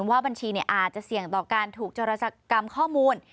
ว่าบัญชีอาจจะเสี่ยงต่อการถูกจรสักกรรมข้อมูล